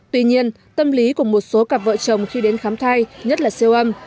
tuy nhiên tâm lý của một số cặp vợ chồng khi đến khám thai nhất là siêu âm